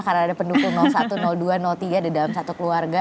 karena ada pendukung satu dua tiga di dalam satu keluarga